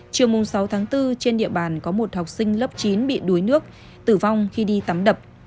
chiều sáu tháng bốn trên địa bàn có một học sinh lớp chín bị đuối nước tử vong khi đi tắm đập